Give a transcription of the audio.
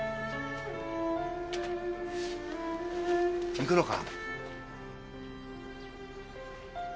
行くのか？